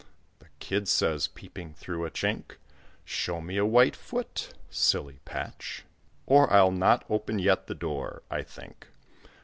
The Kid says, peeping through a chink, "Show me a white foot" (silly patch), "Or I'll not open yet the door, I think."